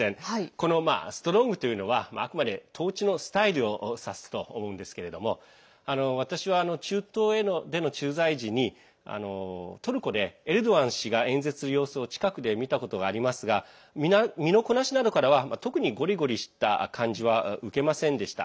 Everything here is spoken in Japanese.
このストロングというのはあくまで統治のスタイルを指すと思うんですけれども私は中東での駐在時にトルコでエルドアン氏が演説する様子を近くで見たことがありますが身のこなしなどからは特にゴリゴリした感じは受けませんでした。